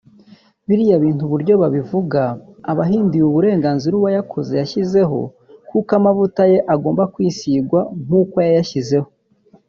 biriya bintu uburyo babivanga abahinduye uburenganzira uwayakoze yashyizeho kuko amavuta ye agomba kwisigwa nkuko yayashyizeho